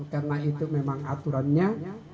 karena itu memang aturannya